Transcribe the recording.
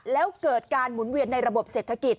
แล้วเกิดการหมุนเวียนในระบบเศรษฐกิจ